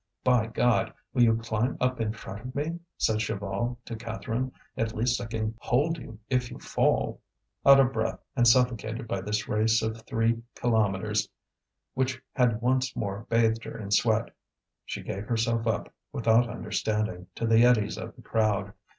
"By God! will you climb up in front of me?" said Chaval to Catherine. "At least I can hold you if you fall." Out of breath, and suffocated by this race of three kilometres which had once more bathed her in sweat, she gave herself up, without understanding, to the eddies of the crowd.